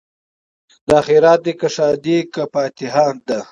دا خیرات دی که ښادي که فاتحه ده